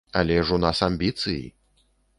Але ж у нас амбіцыі!